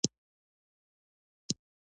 د افغانستان ولایتونه د خلکو ژوند اغېزمن کوي.